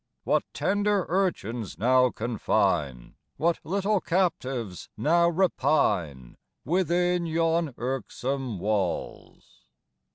What tender urchins now confine, What little captives now repine, Within yon irksome walls?